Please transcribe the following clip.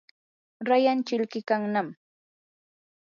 rayan chilqikannami.